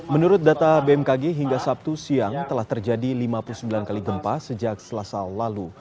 menurut data bmkg hingga sabtu siang telah terjadi lima puluh sembilan kali gempa sejak selasa lalu